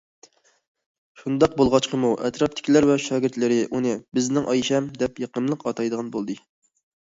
شۇنداق بولغاچقىمۇ، ئەتراپتىكىلەر ۋە شاگىرتلىرى ئۇنى‹‹ بىزنىڭ ئايشەم›› دەپ يېقىملىق ئاتايدىغان بولدى.